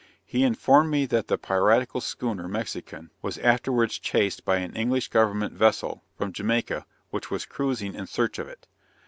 He informed me that the piratical schooner Mexican, was afterwards chased by an English government vessel, from Jamaica, which was cruising in search of it.